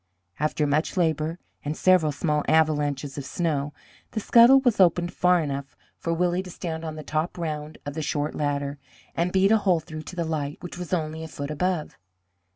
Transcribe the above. After much labour, and several small avalanches of snow, the scuttle was opened far enough for Willie to stand on the top round of the short ladder, and beat a hole through to the light, which was only a foot above.